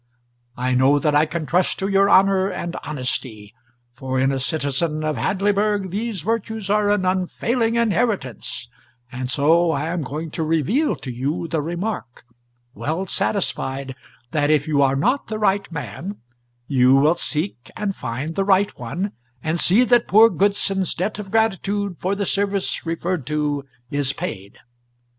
I know that I can trust to your honour and honesty, for in a citizen of Hadleyburg these virtues are an unfailing inheritance, and so I am going to reveal to you the remark, well satisfied that if you are not the right man you will seek and find the right one and see that poor Goodson's debt of gratitude for the service referred to is paid.